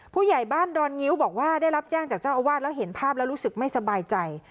ผู้ใหญ่บ้านดอนงิ้วบอกว่าได้รับแจ้งจากเจ้าอาวาสแล้วเห็นภาพแล้วรู้สึกไม่สบายใจ